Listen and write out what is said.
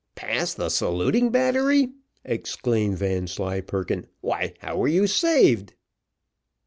"Past the saluting battery?" exclaimed Vanslyperken, "why, how were you saved?"